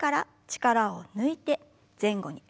力を抜いて前後に。